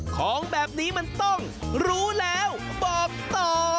ของแบบนี้มันต้องรู้แล้วบอกต่อ